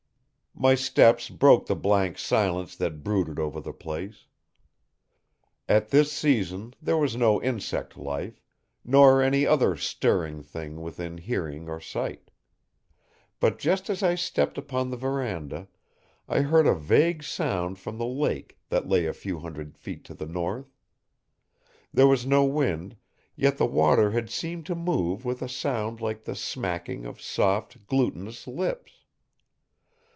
My steps broke the blank silence that brooded over the place. At this season there was no insect life; nor any other stirring thing within hearing or sight. But just as I stepped upon the veranda, I heard a vague sound from the lake that lay a few hundred feet to the north. There was no wind, yet the water had seemed to move with a sound like the smacking of soft, glutinous lips.